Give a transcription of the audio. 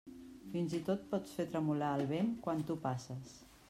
Fins i tot pots fer tremolar el vent quan tu passes.